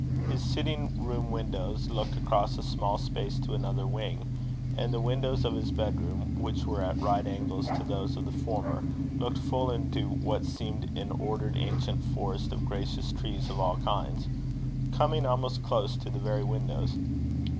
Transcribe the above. His sitting room windows looked across a small space to another wing; and the windows of his bedroom, which were at right angles to those of the former, looked full into what seemed an ordered ancient forest of gracious trees of all kinds, coming almost close to the very windows.